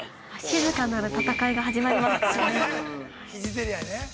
◆静かなる戦いが始まりますからね。